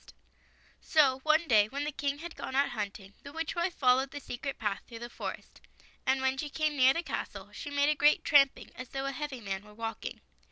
48 ] THE SIX SWANS So one day, when the King had gone out hunting, the witch wife followed the secret path through the forest, and when she came near the castle she made a great tramping, as though a heavy man were walking.